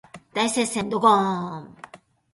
大接戦ドゴーーン